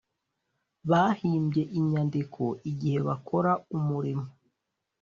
Bahimbye inyandiko igihe bakora umurimo